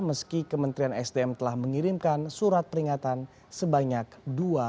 meski kementerian sdm telah mengirimkan surat peringatan sebanyak